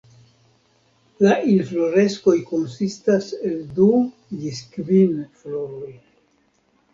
La infloreskoj konsistas el du ĝis kvin floroj.